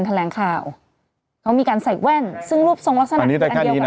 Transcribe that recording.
แถลงข่าวเขามีการใส่แว่นซึ่งรูปทรงลักษณะอันนี้ได้แค่นี้น่ะ